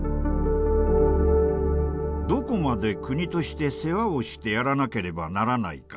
どこまで国として世話をしてやらなければならないか。